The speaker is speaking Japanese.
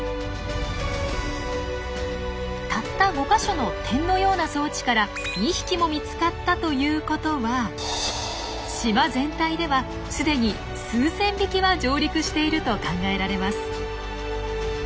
たった５か所の点のような装置から２匹も見つかったということは島全体ではすでに数千匹は上陸していると考えられます。